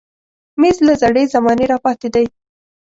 مېز له زړې زمانې راپاتې دی.